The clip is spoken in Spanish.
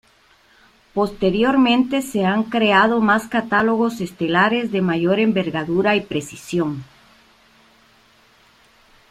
Posteriormente se han creado más catálogos estelares de mayor envergadura y precisión.